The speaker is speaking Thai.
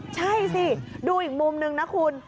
ใช่สิดูอีกมุมนึงนะคุณ